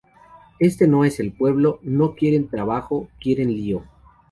Eso no es el pueblo: no quieren trabajo, quieren lío".